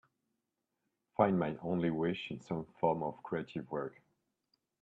Find My Only Wish in some form of creative work